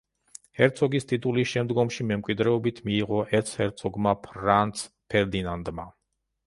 ჰერცოგის ტიტული შემდგომში მემკვიდრეობით მიიღო ერცჰერცოგმა ფრანც ფერდინანდმა.